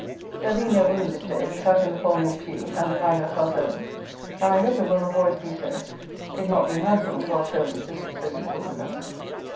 There being no woman this day, we sat in the foremost pew, and behind us our servants, and I hope it will not always be so, it not being handsome for our servants to sit so equal with us.